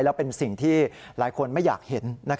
แล้วเป็นสิ่งที่หลายคนไม่อยากเห็น